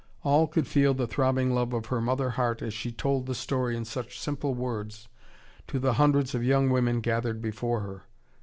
All could feel the throbbing love of her mother heart as she told the story in such simple words to the hundreds of young women gathered before her.